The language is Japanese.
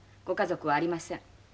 ご家族はありません。